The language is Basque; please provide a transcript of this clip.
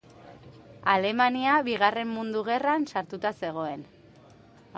Alemania Bigarren Mundu Gerran sartuta zegoen.